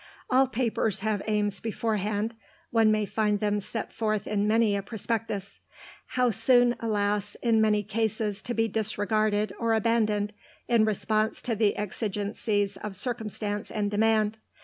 All papers have aims beforehand (one may find them set forth in many a prospectus); how soon, alas, in many cases to be disregarded or abandoned in response to the exigencies of circumstance and demand.